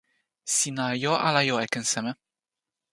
sina jo ala jo e ken seme?